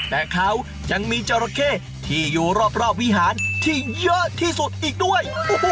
แต่เขายังมีจราเข้ที่อยู่รอบวิหารที่เยอะที่สุดอีกด้วย